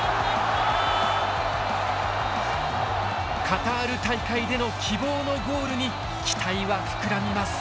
カタール大会での希望のゴールに期待は膨らみます。